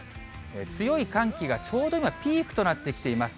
強い寒気がちょうど今、ピークとなってきています。